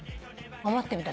思ってみた。